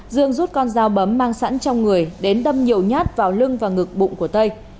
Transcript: dương rút con dao bấm mang sẵn trong người đến đâm nhiều nhát vào lưng và ngực bụng của tây